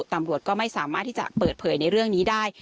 ตำรวจก็ไม่สามารถที่จะเปิดเผยในเรื่องนี้ได้